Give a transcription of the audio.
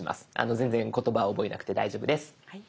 全然言葉覚えなくて大丈夫です。